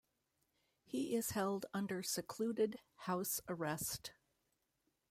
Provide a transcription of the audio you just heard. He is held under secluded house arrest.